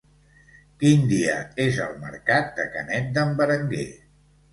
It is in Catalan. Quin dia és el mercat de Canet d'en Berenguer?